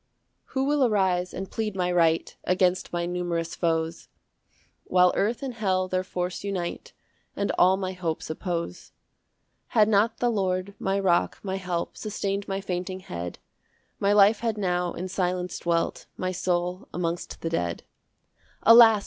1 Who will arise and plead my right Against my numerous foes, While earth and hell their force unite, And all my hopes oppose? 2 Had not the Lord, my rock, my help, Sustain'd my fainting head, My life had now in silence dwelt, My soul amongst the dead. 3 "Alas!